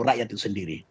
rakyat itu sendiri